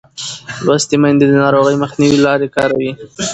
لوستې میندې د ناروغۍ مخنیوي لارې کاروي.